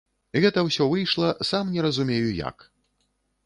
Гэта ўсё выйшла, сам не разумею як.